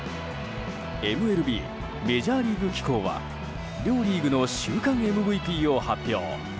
ＭＬＢ・メジャーリーグ機構は両リーグの週間ＭＶＰを発表。